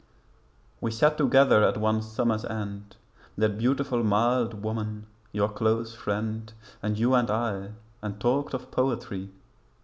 We sat together at one summer's end That beautiful mild woman your close friend And you and I, and talked of poetry.